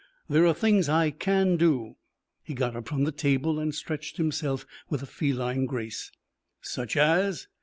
There are things I can do " He got up from the table and stretched himself with a feline grace. "Such as?"